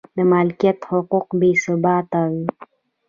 د مالکیت حقوق بې ثباته و.